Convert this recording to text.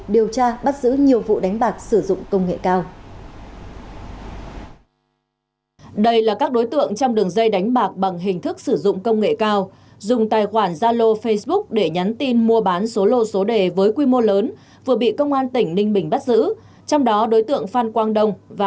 điều tra bắt giữ nhiều vụ đánh bạc sử dụng công nghệ cao